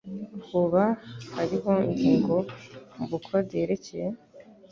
Hoba hariho ingingo mubukode yerekeye?